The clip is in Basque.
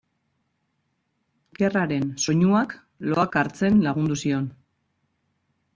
Kilkerraren soinuak loak hartzen lagundu zion.